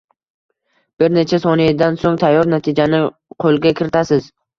Bir necha soniyadan soʻng tayyor natijani qo’lga kiritasiz.